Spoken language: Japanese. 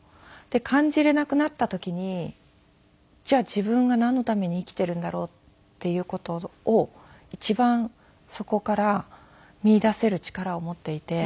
で感じれなくなった時にじゃあ自分がなんのために生きているんだろう？っていう事を一番底から見いだせる力を持っていて。